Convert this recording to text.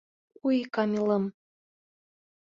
Уй, Камилым!